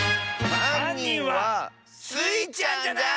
はんにんはスイちゃんじゃない！